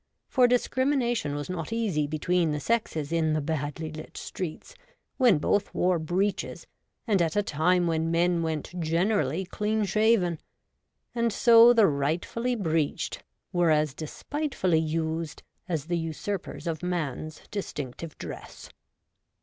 For discrimina tion was not easy between the sexes in the badly lit streets, when both wore breeches, and at a time when men went generally clean shaven ; and so the rightfully breeched were as despltefully used as the usurpers of man's distinctive dress.